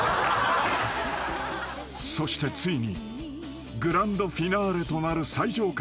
［そしてついにグランドフィナーレとなる最上階］